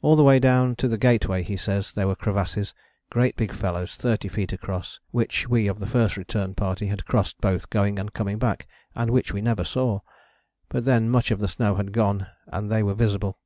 All the way down to the Gateway he says there were crevasses, great big fellows thirty feet across, which we of the First Return Party had crossed both going and coming back and which we never saw. But then much of the snow had gone and they were visible.